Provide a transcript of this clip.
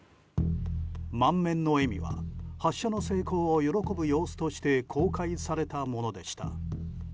満面の笑みは発射の成功を喜ぶ様子として公開されたものでした。